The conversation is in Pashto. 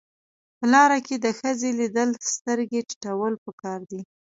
په لار کې د ښځې لیدل سترګې ټیټول پکار دي.